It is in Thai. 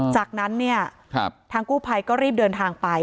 จากนั้นเนี่ยทางกู้ภัยก็รีบเดินทางไป